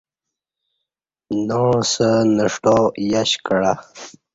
ناعسہ نݜٹا یش کعہ